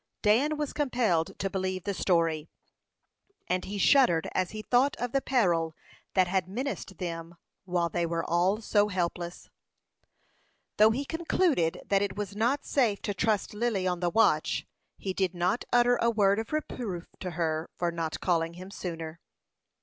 Dan was compelled to believe the story, and he shuddered as he thought of the peril that had menaced them while they were all so helpless. Though he concluded that it was not safe to trust Lily on the watch, he did not utter a word of reproof to her for not calling him sooner.